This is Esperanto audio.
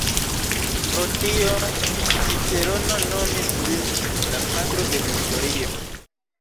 Pro tio Cicerono nomis lin "la patro de historio".